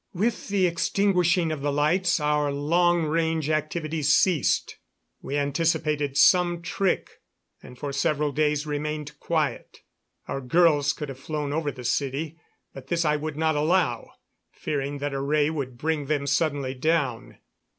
With the extinguishing of the lights our long range activities ceased. We anticipated some trick, and for several days remained quiet. Our girls could have flown over the city; but this I would not allow, fearing that a ray would bring them suddenly down.